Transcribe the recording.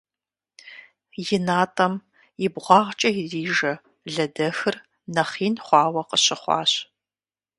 И натӀэм и бгъуагъкӀэ ирижэ лэдэхыр нэхъ ин хъуауэ къыщыхъуащ.